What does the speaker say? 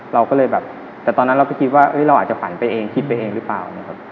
เราก็เลยแบบแต่ตอนนั้นเราก็คิดว่าเราอาจจะฝันไปเองคิดไปเองหรือเปล่านะครับ